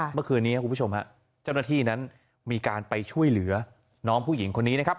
เมื่อคืนนี้ครับคุณผู้ชมฮะเจ้าหน้าที่นั้นมีการไปช่วยเหลือน้องผู้หญิงคนนี้นะครับ